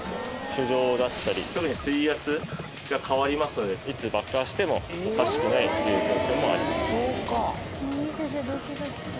浮上だったり、水圧が変わりますので、いつ爆発してもおかしくないっていうことであります。